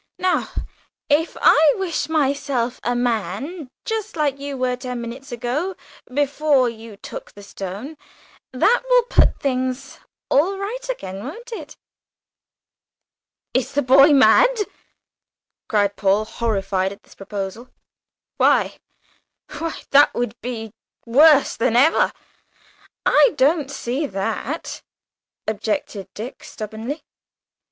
Now, if I wish myself a man just like you were ten minutes ago, before you took the stone, that will put things all right again, won't it?" "Is the boy mad?" cried Paul, horrified at this proposal. "Why, why, that would be worse than ever!" "I don't see that," objected Dick, stubbornly.